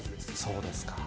そうですか。